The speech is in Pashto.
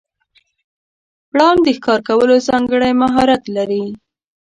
پړانګ د ښکار کولو ځانګړی مهارت لري.